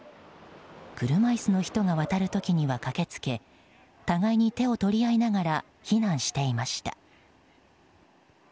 車椅子の人が渡る時には駆けつけ互いに手を取り合いながら避難していました。